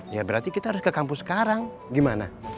ya berarti kita harus ke kampus sekarang gimana